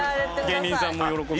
芸人さんも喜ぶし。